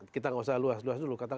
kita nggak usah luas luas dulu